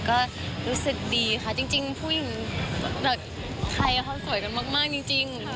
ก็รู้สึกดีค่ะจริงผู้หญิงแบบไทยเขาสวยกันมากจริง